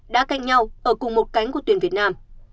đã canh nhau ở cùng một cánh của tuyển việt nam